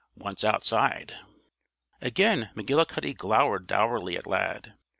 Once outside Again McGillicuddy glowered dourly at Lad.